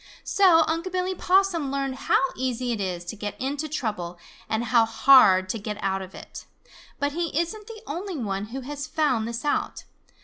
So Unc' Billy Possum learned how easy it is to get into trouble and how hard to get out of it. But he isn't the only one who has found this out.